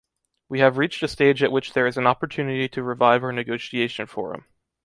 We have reached a stage at which there is an opportunity to revive our negotiation forum.